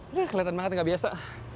udah kelihatan banget gak biasa